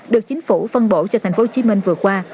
được chính phủ phân bổ cho tp hcm vừa qua